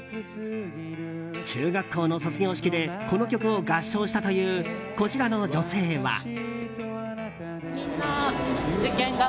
中学校の卒業式でこの曲を合唱したというこちらの女性は。